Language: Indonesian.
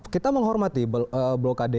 kita menghormati blokade yang jelas